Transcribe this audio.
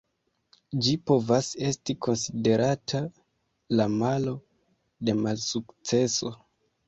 Ĝi povas esti konsiderata la malo de malsukceso.